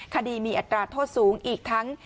คดีมีอัตราโทษสูงอีกทั้ง